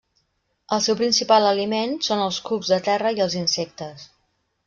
El seu principal aliment són els cucs de terra i els insectes.